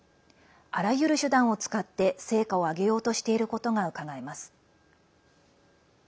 あらゆる手段を使って成果を上げようとしていることがうかがえます。